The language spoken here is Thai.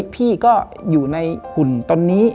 พี่ก็อยู่ในหุ่นตอนนี้